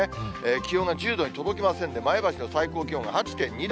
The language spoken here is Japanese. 気温が１０度に届きませんで、前橋の最高気温は８．２度。